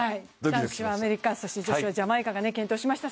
男子はアメリカ、女子はジャマイカが健闘しました。